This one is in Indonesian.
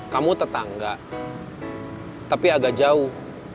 kamu tetangga tapi agak jauh